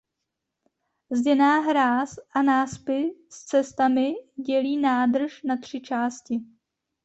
Zděná hráz a náspy s cestami dělí nádrž na tři části.